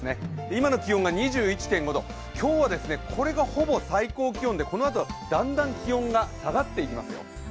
今の気温が２１．５度、今日はこれがほぼ最高気温で、このあとはだんだん気温が下がっていきますよ。